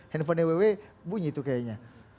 handphonenya wih wih bunyi tuh kayaknya